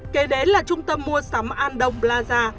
kể đến là trung tâm mua sắm andong plaza